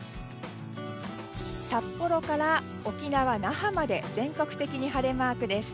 札幌から沖縄・那覇まで全国的に晴れマークです。